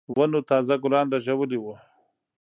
ونو تازه ګلان رېژولي وو.